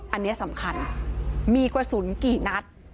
อันนี้สำคัญมีกระสุนกี่นัด